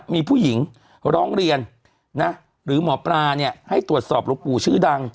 มีผู้หญิงร้องเรียนนะหรือหมอปลาเนี่ยให้ตรวจสอบหลวงปู่ชื่อดัง